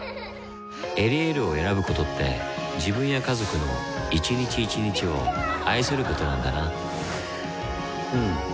「エリエール」を選ぶことって自分や家族の一日一日を愛することなんだなうん。